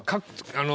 あの。